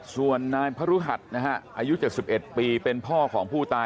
ส่วนนายพระรุหัสนะฮะอายุ๗๑ปีเป็นพ่อของผู้ตาย